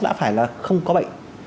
đã phải là không có bệnh